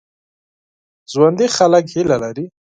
ژوندي خلک هیله لري